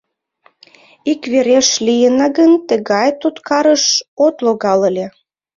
Иквереш лийына гын, тыгай туткарыш от логал ыле...